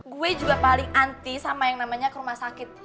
gue juga paling anti sama yang namanya ke rumah sakit